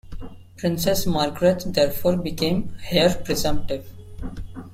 Princess Margrethe therefore became heir presumptive.